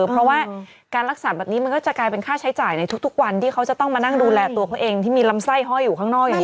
เพราะว่าการรักษาแบบนี้มันก็จะกลายเป็นค่าใช้จ่ายในทุกวันที่เขาจะต้องมานั่งดูแลตัวเขาเองที่มีลำไส้ห้อยอยู่ข้างนอกอย่างนี้